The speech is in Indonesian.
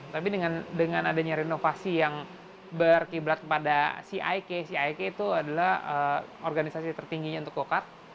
tapi dengan adanya renovasi yang berkiblat kepada cik cik itu adalah organisasi tertingginya untuk go kart